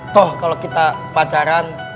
toh kalau kita pacaran